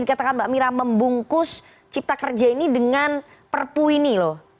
yang tadi dikatakan mbak mirah membungkus cipta kerja ini dengan perpu ini loh